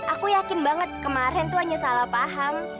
aku yakin banget kemarin tuh hanya salah paham